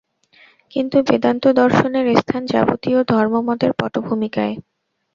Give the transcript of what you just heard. কিন্তু বেদান্ত-দর্শনের স্থান যাবতীয় ধর্মমতের পটভূমিকায়।